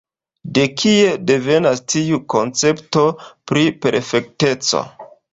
De kie devenas tiu koncepto pri perfekteco?